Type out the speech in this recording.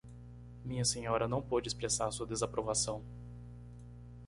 Minha senhora não pôde expressar sua desaprovação.